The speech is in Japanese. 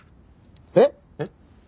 えっ！？えっ？